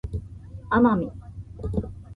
奄美